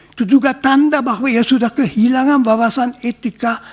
itu juga tanda bahwa ia sudah kehilangan wawasan etika